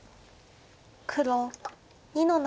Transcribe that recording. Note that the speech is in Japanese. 黒２の七。